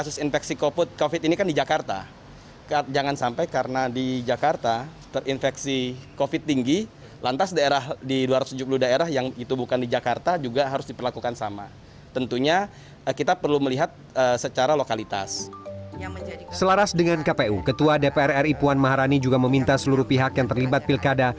selaras dengan kpu ketua dpr ri puan maharani juga meminta seluruh pihak yang terlibat pilkada